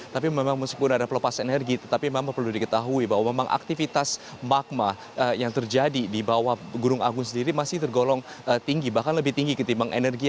tapi memang meskipun ada pelepasan energi tetapi memang perlu diketahui bahwa memang aktivitas magma yang terjadi di bawah gunung agung sendiri masih tergolong tinggi